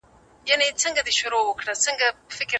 ماشومان له طبیعت سره بلد کېږي.